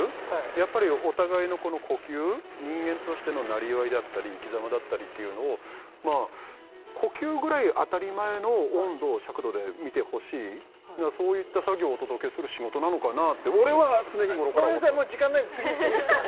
やっぱりお互いのこの呼吸人間としてのなりわいだったり生きざまだったりっていうのをまあ呼吸ぐらい当たり前の温度尺度で見てほしいそういった作業をお届けする仕事なのかなって俺は常日頃からごめんなさいもう時間ないんで次いっていいですか？